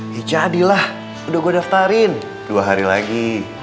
ya jadilah udah gue daftarin dua hari lagi